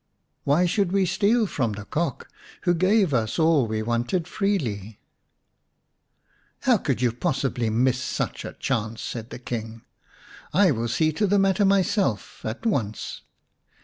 Why should we steal from the Cock, who gave us all we wanted freely ?"" How could you possibly miss such a chance ?" said the King. " I will see to the matter myself at once."